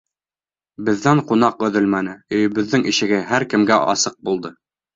Беҙҙән ҡунаҡ өҙөлмәне, өйөбөҙҙөң ишеге һәр кемгә асыҡ булды.